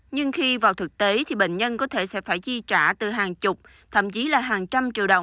nhưng khi vào thực tế thì bệnh nhân có thể sẽ phải chi trả từ hàng chục thậm chí là hàng trăm triệu đồng